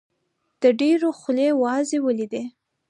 د ډېرو خولې وازې ولیدې.